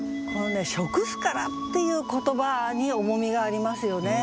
「食すから」っていう言葉に重みがありますよね。